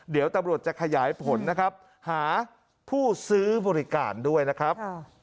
เดี๋ยวตำรวจจะขยายผลนะครับหาผู้ซื้อบริการด้วยนะครับ